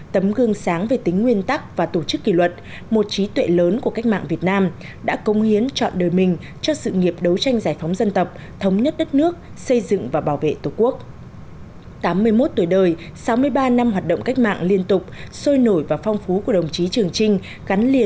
tấm gương sáng về tính nguyên tắc và tổ chức kỷ luật một trí tuệ lớn của cách mạng việt nam đã công hiến chọn đời mình cho sự nghiệp đấu tranh giải phóng dân tộc thống nhất đất nước xây dựng và bảo vệ tổ quốc